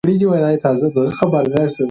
زما په کورنۍ کې ټول خلک پښتو خبرې کوي.